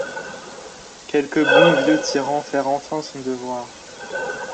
Quelque bon vieux tyran faire enfin son devoir